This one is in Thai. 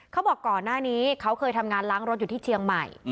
ก่อนหน้านี้เขาเคยทำงานล้างรถอยู่ที่เชียงใหม่